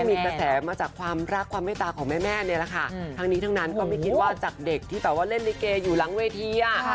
มีกระแสมาจากความรักความไม่ตาของแม่เนี่ยแหละค่ะทั้งนี้ทั้งนั้นก็ไม่คิดว่าจากเด็กที่แบบว่าเล่นลิเกอยู่หลังเวทีอ่ะ